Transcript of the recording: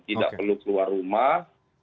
tidak perlu keluar rumah